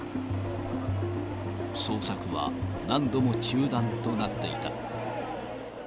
捜索は何度も中断となっていた。